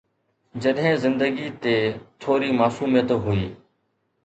جڏهن زندگي تي ٿوري معصوميت هئي.